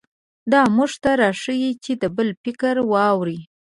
دا موږ ته راښيي چې د بل فکر واورئ.